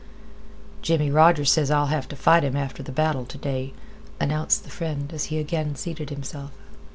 "Jimmie Rogers ses I'll have t' fight him after th' battle t' day," announced the friend as he again seated himself.